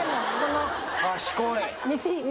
賢い。